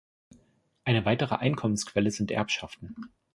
Eine weitere Einkommensquelle sind Erbschaften.